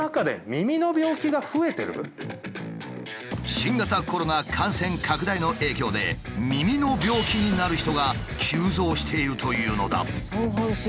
新型コロナ感染拡大の影響で耳の病気になる人が急増しているというのだ。